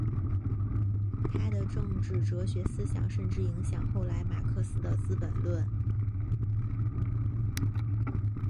他的政治哲学思想甚至影响后来马克思的资本论。